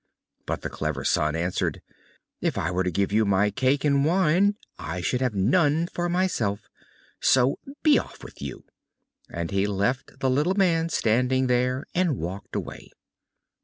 But the clever son answered: "If I were to give you my cake and wine, I should have none for myself, so be off with you," and he left the little man standing there, and walked away.